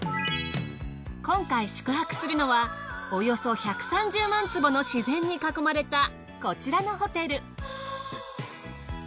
今回宿泊するのはおよそ１３０万坪の自然に囲まれたこちらのホテル。